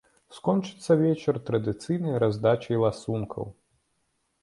Скончыцца вечар традыцыйнай раздачай ласункаў.